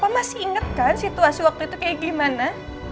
kok masih inget kan situasi waktu itu kayak gimana